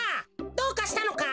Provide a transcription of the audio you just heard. どうかしたのか？